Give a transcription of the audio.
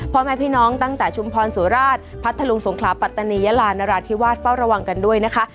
พ่อแม่พี่น้องตั้งแต่ชุมพรสุราชพัทธลุงสงขลาปัตตานียาลานราธิวาสเฝ้าระวังกันด้วยนะคะ